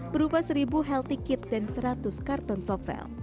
berupa seribu health kit dan seratus karton sovel